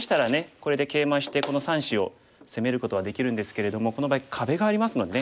これでケイマしてこの３子を攻めることはできるんですけれどもこの場合壁がありますのでね